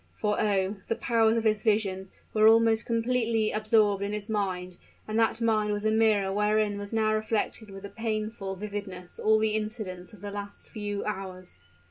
For, oh! the powers of his vision were almost completely absorbed in his mind; and that mind was a mirror wherein was now reflected with a painful vividness all the incidents of the last few hours.